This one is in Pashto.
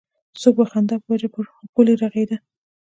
څوک به د خندا په وجه پر غولي رغړېده.